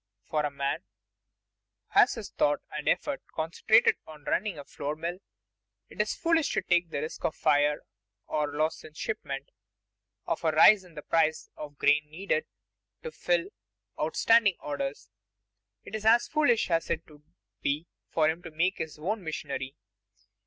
For a man who has his thought and effort concentrated on running a flour mill, it is foolish to take the risks of fire, of loss in shipment, of a rise in the price of grain needed to fill outstanding orders it is as foolish as it would be for him to make his own machinery.